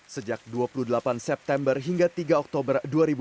sejak dua puluh delapan september hingga tiga oktober dua ribu dua puluh